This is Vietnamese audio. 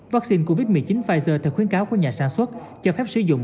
vaccine covid một mươi chín pfizer theo khuyến cáo của nhà sản xuất cho phép sử dụng